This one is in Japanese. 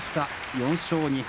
４勝２敗。